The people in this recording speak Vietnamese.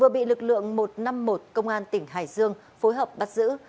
bị lực lượng một trăm năm mươi một công an tỉnh hải dương phối hợp bắt giữ